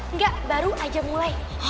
enggak baru aja mulai